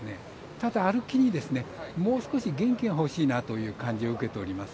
ただ、歩きにもう少し元気がほしいなという感じを受けています。